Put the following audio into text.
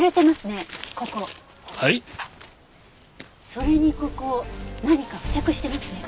それにここ何か付着してますね。